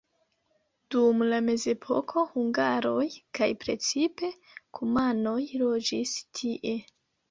Dum la mezepoko hungaroj kaj precipe kumanoj loĝis tie.